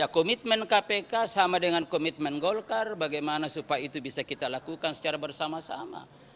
komitmen kpk sama dengan komitmen golkar bagaimana supaya itu bisa kita lakukan secara bersama sama